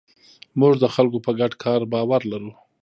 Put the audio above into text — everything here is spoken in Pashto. موږ د خلکو په ګډ کار باور لرو.